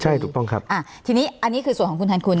ใช่ถูกต้องครับทีนี้อันนี้คือส่วนของคุณแทนคุณ